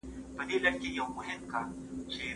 روحانیون په ټولنه کي ځانګړی ځای لري.